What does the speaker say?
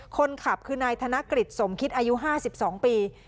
คนขับคือนายธนกฤษสมคิดอายุ๕๒ปี